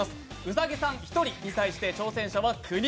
兎さん１人に対して挑戦者は９人。